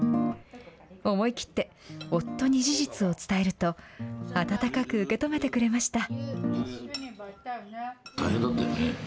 思い切って、夫に事実を伝えると、温かく受け止めてくれました。